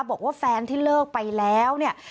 บอกว่าแฟนที่เลิกไปแล้วเนี่ย